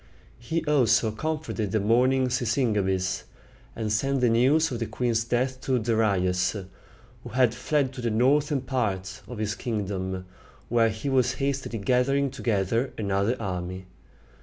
He also comforted the mourning Sisygambis, and sent the news of the queen's death to Darius, who had fled to the northern part of his kingdom, where he was hastily gathering together another army.